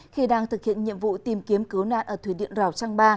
khi đang thực hiện nhiệm vụ tìm kiếm cứu nạn ở thủy điện rào trang ba